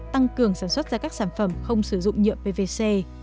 tăng cường sản xuất ra các sản phẩm không sử dụng nhựa pvc